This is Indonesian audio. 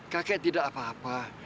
kakek tidak apa apa